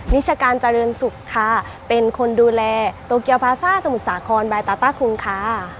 นิชการเจริญสุขค่ะเป็นคนดูแลโตเกียวพาซ่าสมุทรสาครบายตาต้าครุงค่ะ